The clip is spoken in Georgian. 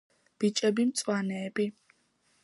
ბიჭები მწვანეები